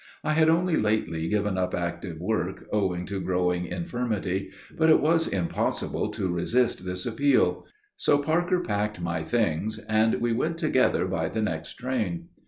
I had only lately given up active work, owing to growing infirmity, but it was impossible to resist this appeal; so Parker packed my things and we went together by the next train.